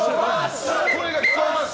声が聞こえます。